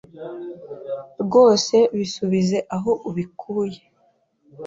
rwose bisubize aho ubikuye.